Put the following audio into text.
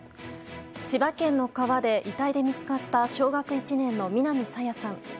千葉県の川で遺体で見つかった小学１年の南朝芽さん。